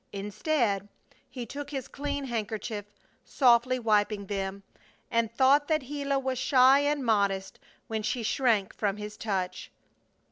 Instead, he took his clean handkerchief, softly wiping them, and thought that Gila was shy and modest when she shrank from his touch.